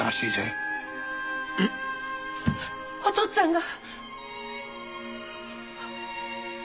お父っつぁんが！？